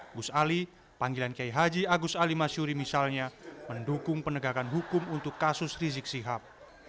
agus ali panggilan kiai haji agus ali masyuri misalnya mendukung penegakan hukum untuk kasus rizik sihab